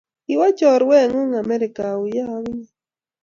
Kiwo chorwet ngung Amerika auyo akinye?.